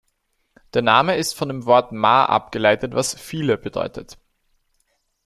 Der Name ist von dem Wort „Ma“ abgeleitet, was „viele“ bedeutet.